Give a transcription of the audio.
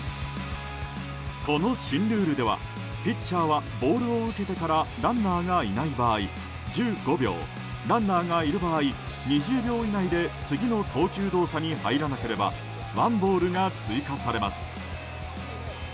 この新ルールではピッチャーはボールを受けてからランナーがいない場合、１５秒ランナーがいる場合２０秒以内で次の投球動作に入らなければワンボールが追加されます。